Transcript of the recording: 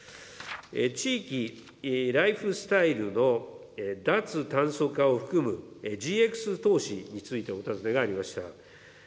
地域・ライフスタイルの脱炭素化を含む、ＧＸ投資についてお尋ねがありました。